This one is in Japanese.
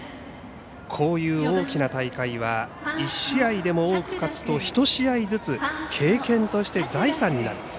こういう大きな大会は１試合でも多く勝つと１試合ずつ経験として財産になる。